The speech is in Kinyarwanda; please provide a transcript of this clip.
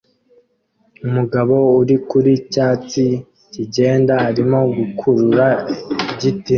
Umugabo uri ku cyatsi kigenda arimo gukurura igiti